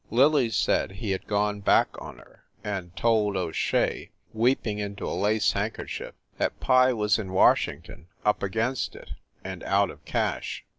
Lily said he had gone back on her, and told O Shea, weeping into a lace handkerchief, that Pye was in Washington up against it, and out of cash.